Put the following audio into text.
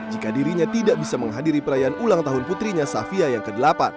jika dirinya tidak bisa menghadiri perayaan ulang tahun putrinya safia yang ke delapan